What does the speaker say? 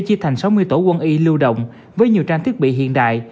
học viện quân y đợt này sẽ chia thành sáu mươi tổ quân y lưu động với nhiều trang thiết bị hiện đại